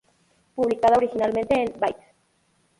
Publicada originalmente en "Bite".